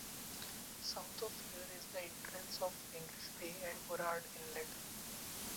South of here is the entrance of English Bay and Burrard Inlet.